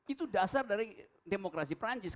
itu dasar dari demokrasi perancis